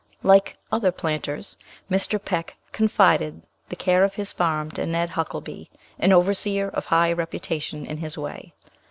Like other planters, Mr. Peck confided the care of his farm to Ned Huckelby, an overseer of high reputation in his way.